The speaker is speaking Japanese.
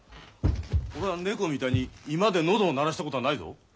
俺は猫みたいに居間で喉を鳴らしたことはないぞ。